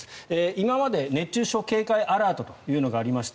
今まで熱中症警戒アラートというのがありました。